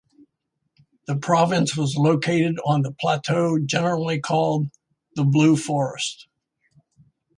The province was located on a plateau generally called "The Blue Forest".